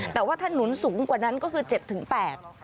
แต่ว่าถ้าหนุนสูงกว่านั้นก็คือ๗๘